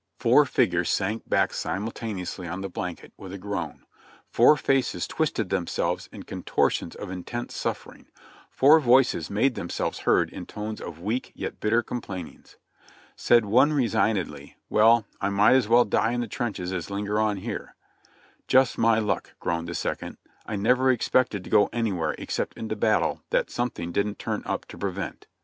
Four figures sank back simultaneously on the blanket, with a groan; four faces twisted themselves in contortions of intense suffering; four voices made themselves heard in tones of weak, yet bitter complainings. Said one resignedly : "Well, I might as well die in the trenches as linger on here." "Just my luck," groaned the second. "I never expected to gc anywhere except into battle that something didn't turn up to pre vent.